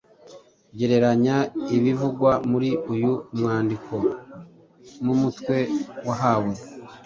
Gereranya ibivugwa muri uyu mwandiko n’umutwe wahawe.